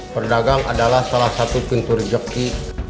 perdagang adalah salah satu pintu rejeki